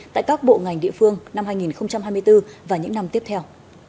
tại các bộ ngành địa phương năm hai nghìn hai mươi bốn và những năm tiếp theo